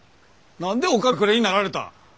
何でお上がお隠れになられた？